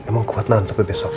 emang kuat nahan sampai besok